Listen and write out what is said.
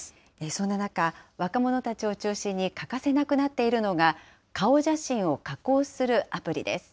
そんな中、若者たちを中心に欠かせなくなっているのが、顔写真を加工するアプリです。